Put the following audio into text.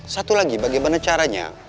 satu lagi bagaimana caranya